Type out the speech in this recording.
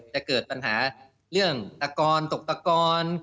จะเกิดปัญหาเรื่องตะกอนตกตะกอน